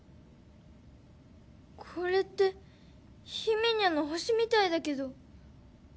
これってひめにゃんの星みたいだけど。